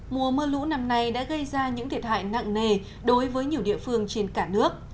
mùa mưa lũ năm nay đã gây ra những thiệt hại nặng nề đối với nhiều địa phương trên cả nước